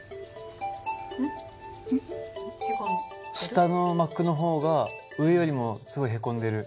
下の膜の方が上よりもすごいへこんでる。